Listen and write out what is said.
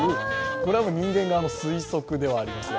これは人間側の推測ではありますが。